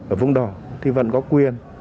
ở vùng đỏ thì vẫn có quyền